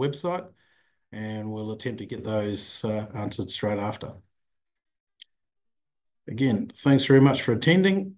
Our website, and we'll attempt to get those answered straight after. Again, thanks very much for attending.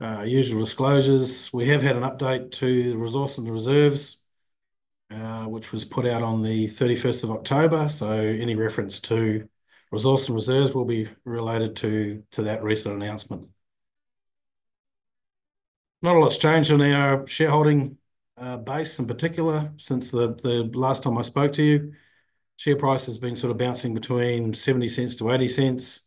Usual disclosures: we have had an update to the resource and the reserves, which was put out on the 31st of October. So any reference to resource and reserves will be related to that recent announcement. Not a lot's changed on our shareholding base in particular since the last time I spoke to you. Share price has been sort of bouncing between 70 cents to 80 cents.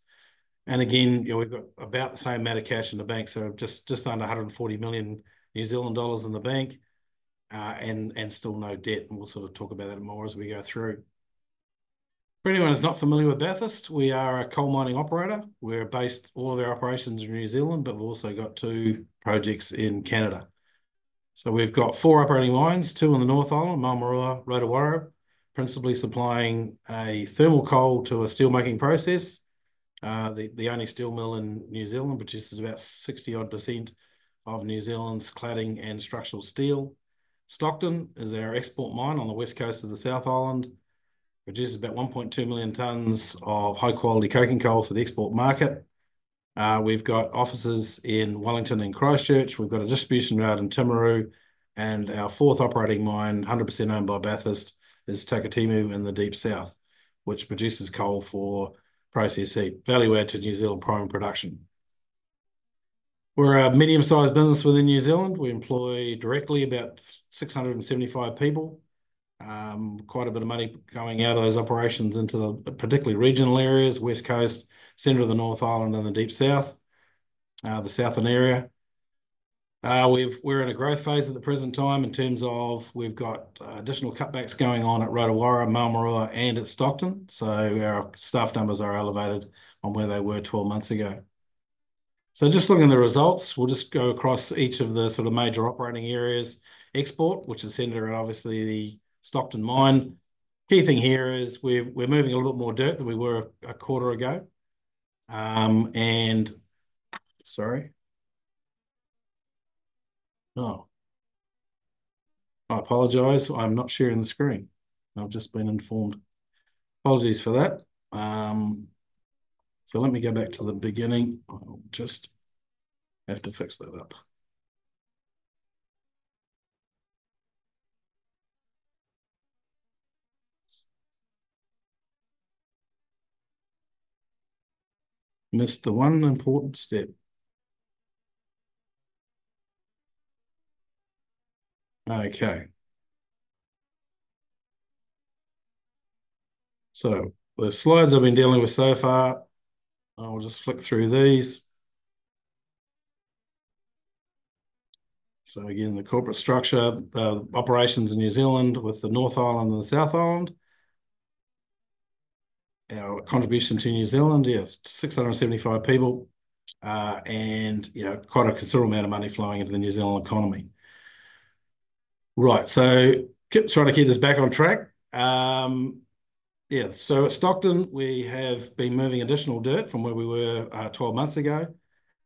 And again, we've got about the same amount of cash in the bank, so just under 140 million New Zealand dollars in the bank, and still no debt. And we'll sort of talk about that more as we go through. For anyone who's not familiar with Bathurst, we are a coal mining operator. We're based all of our operations in New Zealand, but we've also got two projects in Canada. So we've got four operating mines, two in the North Island, Maramarua, Rotowaro, principally supplying thermal coal to a steelmaking process. The only steel mill in New Zealand produces about 60-odd% of New Zealand's cladding and structural steel. Stockton is our export mine on the West Coast of the South Island. Produces about 1.2 million tons of high-quality coking coal for the export market. We've got offices in Wellington and Christchurch. We've got a distribution route in Timaru, and our fourth operating mine, 100% owned by Bathurst, is Takatimu in the Deep South, which produces coal for process heat value add to New Zealand primary production. We're a medium-sized business within New Zealand. We employ directly about 675 people. Quite a bit of money coming out of those operations into the particularly regional areas, West Coast, center of the North Island, and the Deep South, the Southern area. We're in a growth phase at the present time in terms of we've got additional cutbacks going on at Rotowaro, Maramarua, and at Stockton. So our staff numbers are elevated from where they were 12 months ago. So just looking at the results, we'll just go across each of the sort of major operating areas. Export, which is centered at obviously the Stockton mine. Key thing here is we're moving a little bit more dirt than we were a quarter ago. And, sorry. Oh, I apologize. I'm not sharing the screen. I've just been informed. Apologies for that. So let me go back to the beginning. I'll just have to fix that up. Missed the one important step. Okay. The slides I've been dealing with so far, I'll just flick through these. So again, the corporate structure, the operations in New Zealand with the North Island and the South Island. Our contribution to New Zealand, yeah, 675 people, and quite a considerable amount of money flowing into the New Zealand economy. Right, so trying to keep this back on track. Yeah, so at Stockton, we have been moving additional dirt from where we were 12 months ago,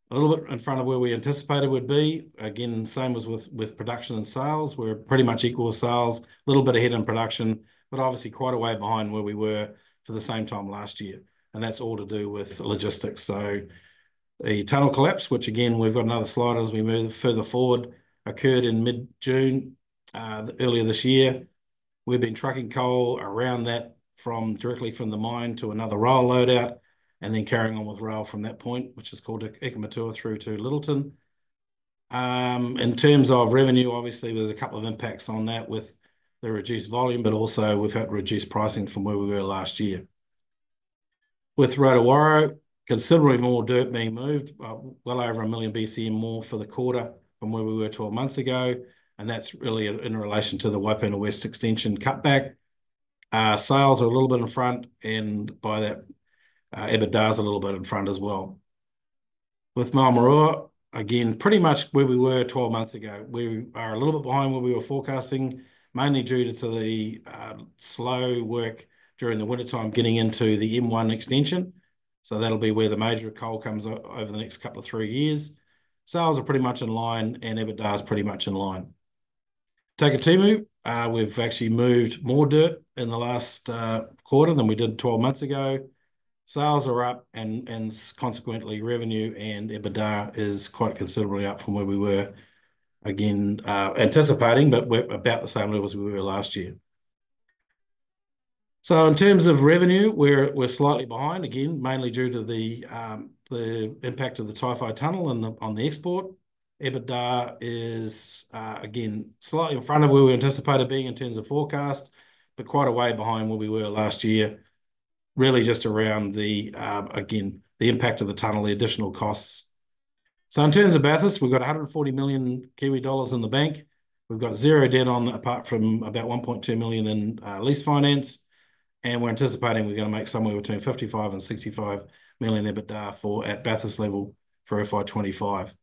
a little bit in front of where we anticipated we'd be. Again, same as with production and sales, we're pretty much equal sales, a little bit ahead in production, but obviously quite a way behind where we were for the same time last year. And that's all to do with logistics. So the tunnel collapse, which again, we've got another slide as we move further forward, occurred in mid-June, earlier this year. We've been trucking coal around that directly from the mine to another rail loadout, and then carrying on with rail from that point, which is called Ikamatua, through to Lyttelton. In terms of revenue, obviously there's a couple of impacts on that with the reduced volume, but also we've had reduced pricing from where we were last year. With Rotowaro, considerably more dirt being moved, well over a million BCM more for the quarter from where we were 12 months ago. And that's really in relation to the Waipuna West extension cutback. Sales are a little bit in front, and by that, EBITDA's a little bit in front as well. With Maramarua, again, pretty much where we were 12 months ago. We are a little bit behind where we were forecasting, mainly due to the slow work during the wintertime getting into the M1 extension. So that'll be where the major coal comes over the next couple of three years. Sales are pretty much in line, and EBITDA's pretty much in line. Takatimu, we've actually moved more dirt in the last quarter than we did 12 months ago. Sales are up, and consequently revenue and EBITDA is quite considerably up from where we were. Again, anticipating, but we're about the same level as we were last year. So in terms of revenue, we're slightly behind, again, mainly due to the impact of the Tawhai Tunnel on the export. EBITDA is, again, slightly in front of where we anticipated being in terms of forecast, but quite a way behind where we were last year, really just around the, again, the impact of the tunnel, the additional costs. So in terms of Bathurst, we've got 140 million Kiwi dollars in the bank. We've got zero debt on apart from about 1.2 million in lease finance. And we're anticipating we're going to make somewhere between 55 and 65 million EBITDA at Bathurst level for FY25.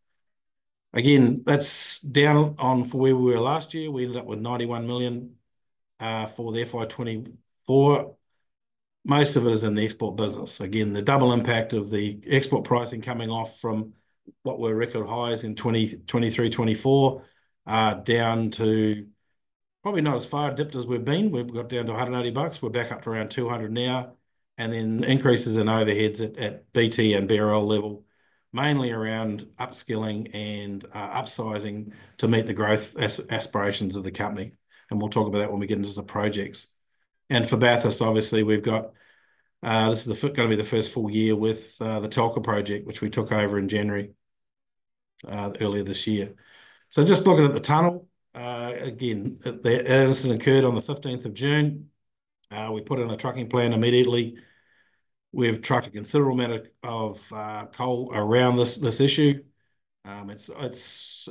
Again, that's down on from where we were last year. We ended up with 91 million for the FY24. Most of it is in the export business. Again, the double impact of the export pricing coming off from what were record highs in 2023-24, down to probably not as far dipped as we've been. We've got down to $180. We're back up to around 200 now. And then increases in overheads at BT and BRL level, mainly around upskilling and upsizing to meet the growth aspirations of the company. And we'll talk about that when we get into the projects. And for Bathurst, obviously we've got, this is going to be the first full year with the Takatimu project, which we took over in January earlier this year. So just looking at the tunnel, again, the incident occurred on the 15th of June. We put in a trucking plan immediately. We've trucked a considerable amount of coal around this issue. It's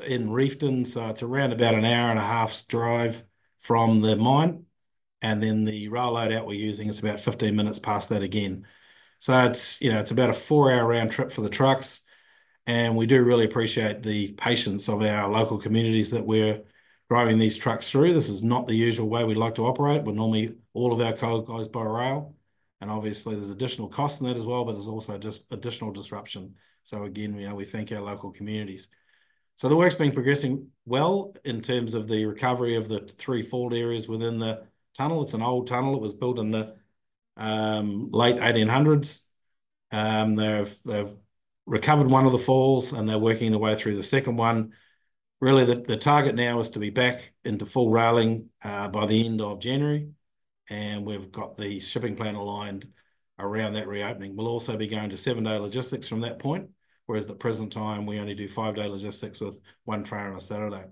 in Reefton, so it's around about an hour and a half's drive from the mine. And then the rail loadout we're using is about 15 minutes past that again. So it's about a four-hour round trip for the trucks. We do really appreciate the patience of our local communities that we're driving these trucks through. This is not the usual way we'd like to operate. We're normally all of our coal goes by rail. And obviously there's additional costs in that as well, but there's also just additional disruption. So again, we thank our local communities. The work's been progressing well in terms of the recovery of the three portal areas within the tunnel. It's an old tunnel. It was built in the late 1800s. They've recovered one of the portals, and they're working their way through the second one. Really, the target now is to be back into full railing by the end of January. We've got the shipping plan aligned around that reopening. We'll also be going to seven-day logistics from that point, whereas at the present time, we only do five-day logistics with one train on a Saturday.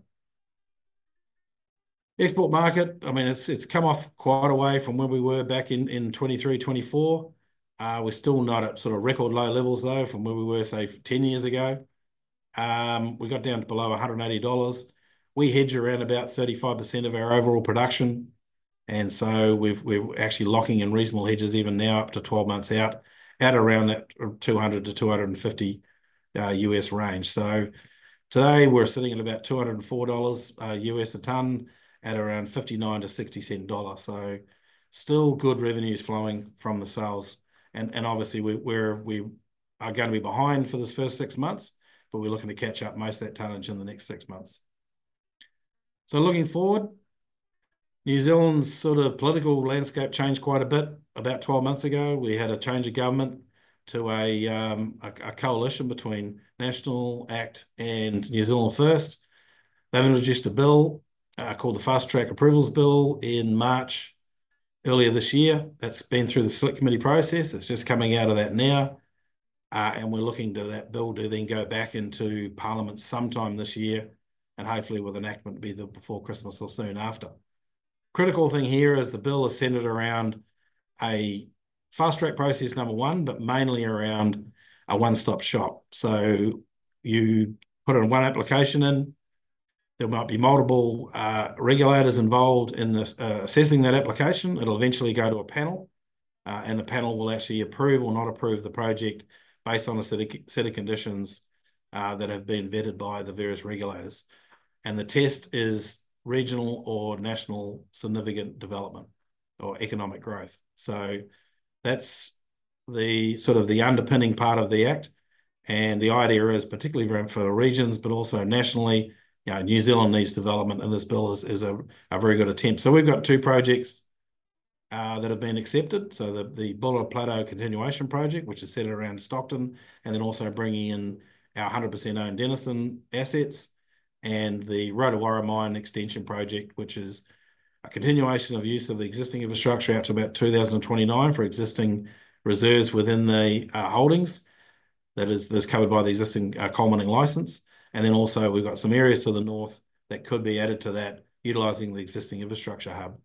Export market, I mean, it's come off quite a way from where we were back in 2023, 2024. We're still not at sort of record low levels though from where we were, say, 10 years ago. We got down to below $180. We hedge around about 35% of our overall production. And so we're actually locking in reasonable hedges even now up to 12 months out, at around that $200-$250 US range. So today we're sitting at about $204 US a tonne at around 59-60 cent dollars. So still good revenues flowing from the sales. Obviously we are going to be behind for this first six months, but we're looking to catch up most of that tonnage in the next six months. Looking forward, New Zealand's sort of political landscape changed quite a bit about 12 months ago. We had a change of government to a coalition between National, ACT and New Zealand First. They've introduced a bill called the Fast-track Approvals Bill in March earlier this year. That's been through the select committee process. It's just coming out of that now. We're looking to that bill to then go back into parliament sometime this year, and hopefully with an acknowledgment be there before Christmas or soon after. Critical thing here is the bill is centered around a fast-track process number one, but mainly around a one-stop shop. You put in one application. There might be multiple regulators involved in assessing that application. It will eventually go to a panel, and the panel will actually approve or not approve the project based on a set of conditions that have been vetted by the various regulators. The test is regional or national significant development or economic growth. That's sort of the underpinning part of the act. The idea is particularly for the regions, but also nationally, New Zealand needs development, and this bill is a very good attempt. We've got two projects that have been accepted. The Buller Plateau Continuation Project, which is set around Stockton, and then also bringing in our 100% owned Denniston assets. And the Rotowaro Mine Extension Project, which is a continuation of use of the existing infrastructure out to about 2029 for existing reserves within the holdings that is covered by the existing coal mining license. And then also we've got some areas to the north that could be added to that utilizing the existing infrastructure hub.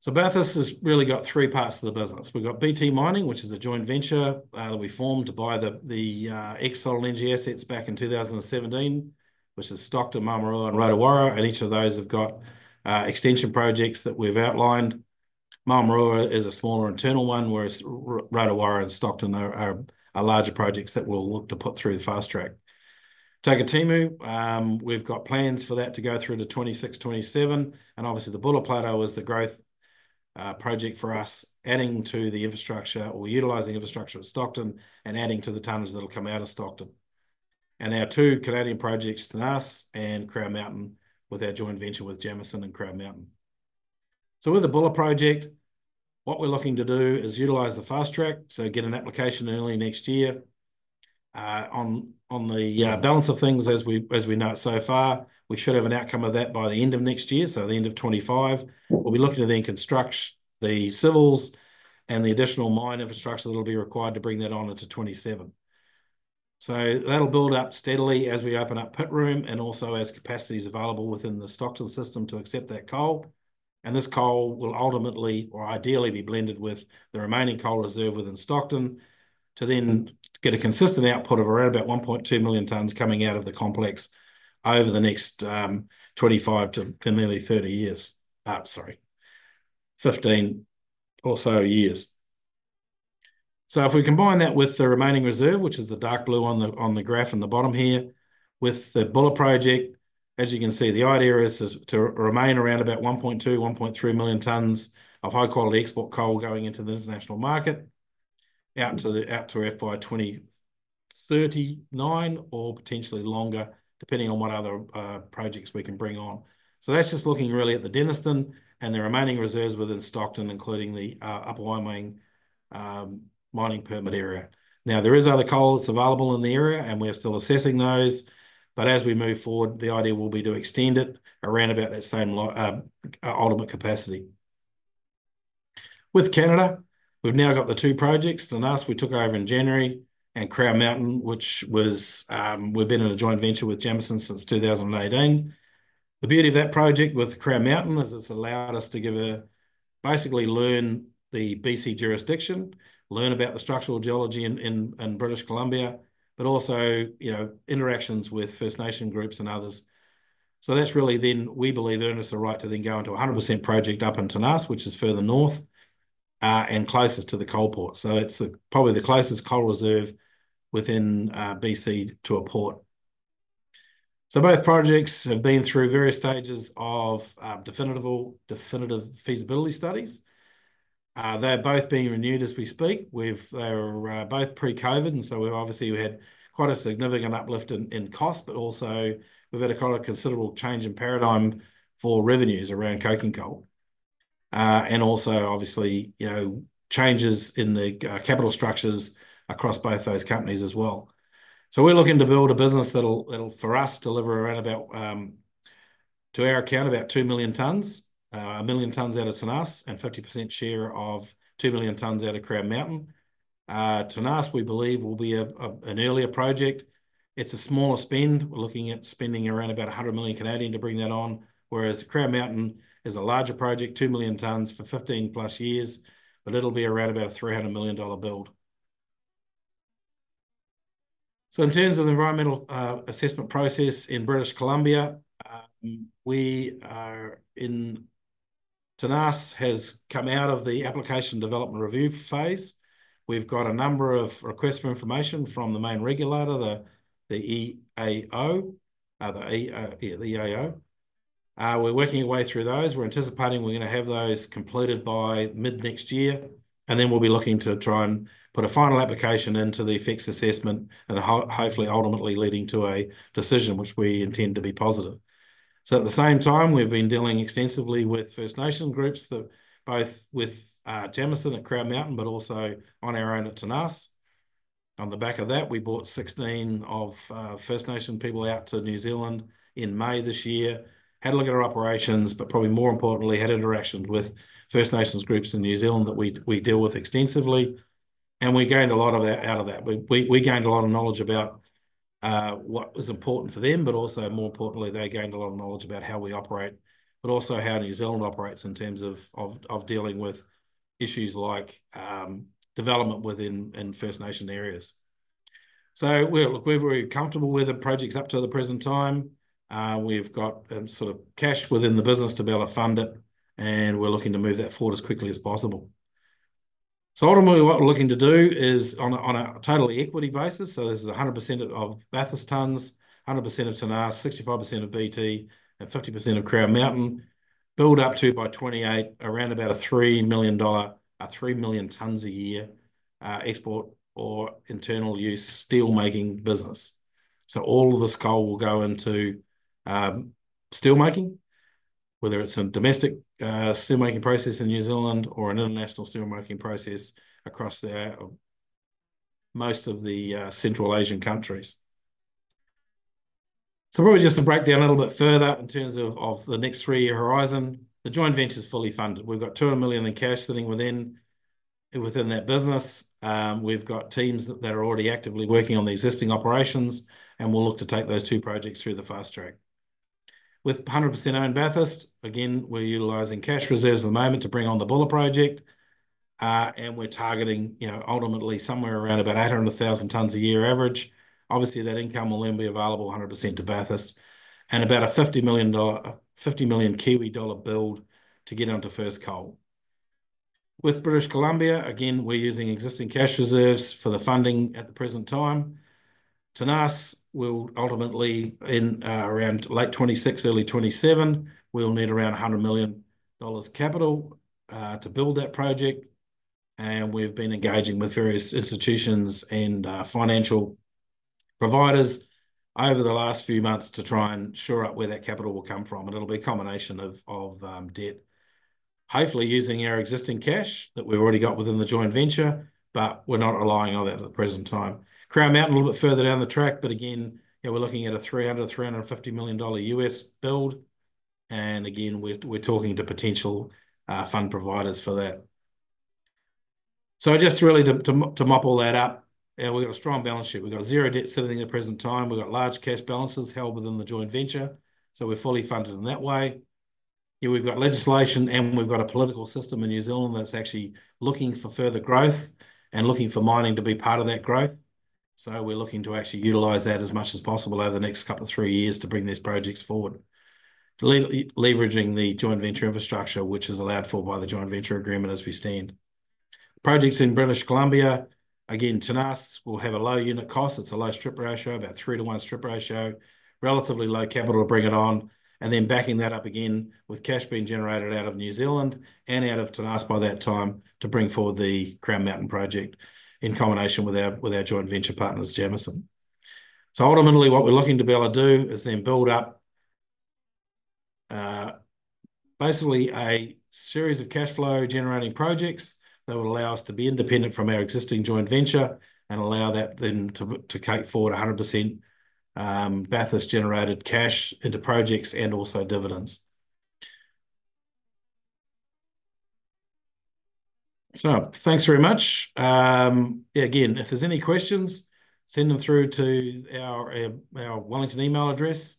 So Bathurst has really got three parts to the business. We've got BT Mining, which is a joint venture that we formed to buy the ex-Solid Energy assets back in 2017, which is Stockton, Maramarua, and Rotowaro. And each of those have got extension projects that we've outlined. Maramarua is a smaller internal one, whereas Rotowaro and Stockton are larger projects that we'll look to put through the fast track. Takatimu, we've got plans for that to go through to 2026, 2027. Obviously the Buller Plateau is the growth project for us, adding to the infrastructure or utilizing infrastructure at Stockton and adding to the tonnage that'll come out of Stockton. Our two Canadian projects, Tenas and Crown Mountain, with our joint venture with Jameson and Crown Mountain. With the Buller project, what we're looking to do is utilize the fast track, so get an application early next year. On the balance of things, as we know it so far, we should have an outcome of that by the end of next year, so the end of 2025. We'll be looking to then construct the civils and the additional mine infrastructure that'll be required to bring that on into 2027. That'll build up steadily as we open up pit room and also as capacity is available within the Stockton system to accept that coal. This coal will ultimately or ideally be blended with the remaining coal reserve within Stockton to then get a consistent output of around about 1.2 million tonnes coming out of the complex over the next 25 to nearly 30 years. Sorry, 15 or so years. If we combine that with the remaining reserve, which is the dark blue on the graph in the bottom here, with the Buller project, as you can see, the idea is to remain around about 1.2-1.3 million tonnes of high-quality export coal going into the international market, out to FY2039 or potentially longer, depending on what other projects we can bring on. That's just looking really at the Denniston and the remaining reserves within Stockton, including the Upper Waimangaroa mining permit area. Now, there is other coal that's available in the area, and we're still assessing those. But as we move forward, the idea will be to extend it around about that same ultimate capacity. With Canada, we've now got the two projects, Tenas, we took over in January, and Crown Mountain, which we've been in a joint venture with Jameson since 2018. The beauty of that project with Crown Mountain is it's allowed us to basically learn the BC jurisdiction, learn about the structural geology in British Columbia, but also interactions with First Nations groups and others. So that's really then we believe earned us the right to then go into a 100% project up in Tenas, which is further north and closest to the coal port. So it's probably the closest coal reserve within BC to a port. So both projects have been through various stages of definitive feasibility studies. They're both being renewed as we speak. They were both pre-COVID, and so obviously we had quite a significant uplift in cost, but also we've had a considerable change in paradigm for revenues around coking coal. And also obviously changes in the capital structures across both those companies as well. So we're looking to build a business that'll, for us, deliver around about, to our account, about 2 million tonnes, a million tonnes out of Tenas, and 50% share of 2 million tonnes out of Crown Mountain. Tenas, we believe, will be an earlier project. It's a smaller spend. We're looking at spending around about 100 million to bring that on, whereas Crown Mountain is a larger project, 2 million tonnes for 15 plus years, but it'll be around about a 300 million dollar build. So in terms of the environmental assessment process in British Columbia, Tenas has come out of the application development review phase. We've got a number of requests for information from the main regulator, the EAO. We're working our way through those. We're anticipating we're going to have those completed by mid next year, and then we'll be looking to try and put a final application into the EAO assessment and hopefully ultimately leading to a decision, which we intend to be positive, so at the same time, we've been dealing extensively with First Nations groups, both with Tenas and Crown Mountain, but also on our own at Tenas. On the back of that, we brought 16 First Nations people out to New Zealand in May this year, had a look at our operations, but probably more importantly, had interactions with First Nations groups in New Zealand that we deal with extensively, and we gained a lot out of that. We gained a lot of knowledge about what was important for them, but also more importantly, they gained a lot of knowledge about how we operate, but also how New Zealand operates in terms of dealing with issues like development within First Nation areas. So we're very comfortable with the projects up to the present time. We've got sort of cash within the business to be able to fund it, and we're looking to move that forward as quickly as possible. So ultimately, what we're looking to do is on a totally equity basis. So this is 100% of Bathurst tonnes, 100% of Tenas, 65% of BT, and 50% of Crown Mountain, build up to by 2028 around about a 3 million tonnes a year export or internal use steelmaking business. So all of this coal will go into steelmaking, whether it's a domestic steelmaking process in New Zealand or an international steelmaking process across most of the Central Asian countries. So probably just to break down a little bit further in terms of the next three-year horizon, the joint venture is fully funded. We've got 200 million in cash sitting within that business. We've got teams that are already actively working on the existing operations, and we'll look to take those two projects through the fast-track. With 100%-owned Bathurst, again, we're utilizing cash reserves at the moment to bring on the Buller project. And we're targeting ultimately somewhere around about 800,000 tonnes a year average. Obviously, that income will then be available 100% to Bathurst and about a 50 million dollar build to get onto first coal. With British Columbia, again, we're using existing cash reserves for the funding at the present time. Tenas, we'll ultimately in around late 2026, early 2027, we'll need around $100 million capital to build that project. And we've been engaging with various institutions and financial providers over the last few months to try and shore up where that capital will come from. And it'll be a combination of debt, hopefully using our existing cash that we've already got within the joint venture, but we're not relying on that at the present time. Crown Mountain, a little bit further down the track, but again, we're looking at a $300-$350 million USD build. And again, we're talking to potential fund providers for that. So just really to mop all that up, we've got a strong balance sheet. We've got zero debt sitting at the present time. We've got large cash balances held within the joint venture. So we're fully funded in that way. Yeah, we've got legislation and we've got a political system in New Zealand that's actually looking for further growth and looking for mining to be part of that growth. So we're looking to actually utilize that as much as possible over the next couple of three years to bring these projects forward, leveraging the joint venture infrastructure, which is allowed for by the joint venture agreement as we stand. Projects in British Columbia, again, Tenas will have a low unit cost. It's a low strip ratio, about three to one strip ratio, relatively low capital to bring it on. And then backing that up again with cash being generated out of New Zealand and out of Tenas by that time to bring forward the Crown Mountain project in combination with our joint venture partners, Jameson. So ultimately, what we're looking to be able to do is then build up basically a series of cash flow generating projects that will allow us to be independent from our existing joint venture and allow that then to take forward 100% Bathurst-generated cash into projects and also dividends. So thanks very much. Again, if there's any questions, send them through to our Wellington email address,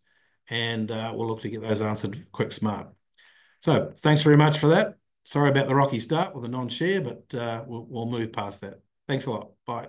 and we'll look to get those answered quick smart. So thanks very much for that. Sorry about the rocky start with the non-share, but we'll move past that. Thanks a lot. Bye.